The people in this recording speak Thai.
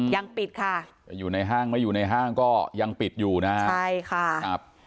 ยังปิดค่ะจะอยู่ในห้างไม่อยู่ในห้างก็ยังปิดอยู่นะฮะใช่ค่ะครับ